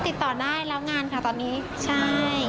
ติดต่อได้แล้วงานค่ะตอนนี้ใช่